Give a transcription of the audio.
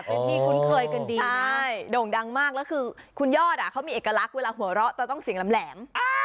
ใช่โด่งดังมากแล้วคือคุณยอดเขามีเอกลักษณ์เวลาหัวเราะต้องเสียงแหลม